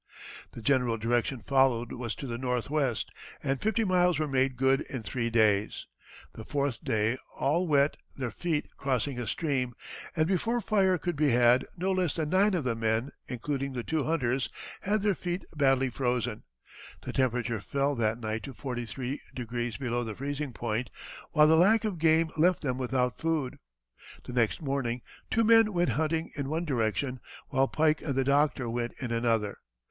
The general direction followed was to the southwest, and fifty miles were made good in three days. The fourth day all wet their feet crossing a stream, and before fire could be had no less than nine of the men, including the two hunters, had their feet badly frozen; the temperature fell that night to forty three degrees below the freezing point, while the lack of game left them without food. The next morning two men went hunting in one direction, while Pike and the doctor went in another.